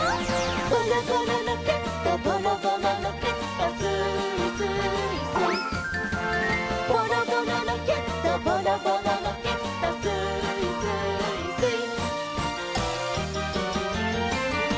「ボロボロロケットボロボロロケット」「スーイスーイスイ」「ボロボロロケットボロボロロケット」「スーイスーイスイ」